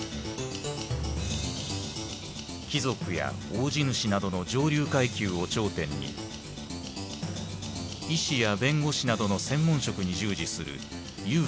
貴族や大地主などの上流階級を頂点に医師や弁護士などの専門職に従事する裕福な中流階級。